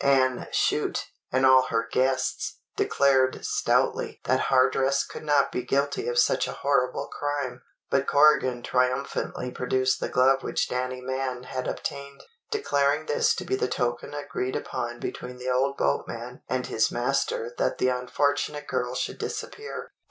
Anne Chute and all her guests declared stoutly that Hardress could not be guilty of such a horrible crime; but Corrigan triumphantly produced the glove which Danny Mann had obtained, declaring this to be the token agreed upon between the old boatman and his master that the unfortunate girl should disappear.